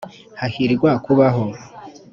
hahirwa kubaho.